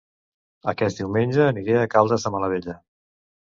Aquest diumenge aniré a Caldes de Malavella